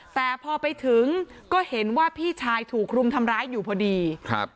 แต่พอไปถึงก็เห็นว่าพี่ชายถูกรุมทำร้ายอยู่พอดีครับ